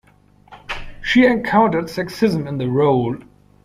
She encountered sexism in the role.